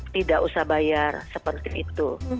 tidak usah bayar seperti itu